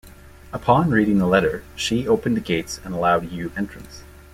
Upon reading the letter, Shi opened the gates and allowed Yu entrance.